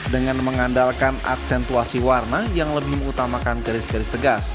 dengan mengandalkan aksentuasi warna yang lebih mengutamakan garis garis tegas